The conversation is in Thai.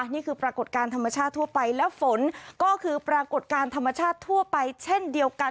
นี่คือปรากฏการณ์ธรรมชาติทั่วไปและฝนก็คือปรากฏการณ์ธรรมชาติทั่วไปเช่นเดียวกัน